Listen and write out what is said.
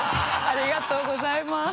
ありがとうございます。